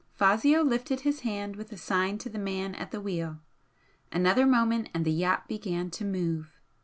Fazio lifted his hand with a sign to the man at the wheel. Another moment and the yacht began to move.